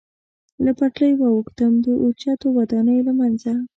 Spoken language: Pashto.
له پټلۍ واوښتم، د اوچتو ودانیو له منځه.